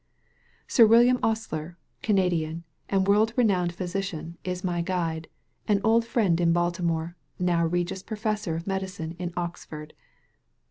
Sir William Osier, Canadian, and world renowed physician, is my guide, an old friend in Baltimore, now Regius Professor of Medicine in Oxford.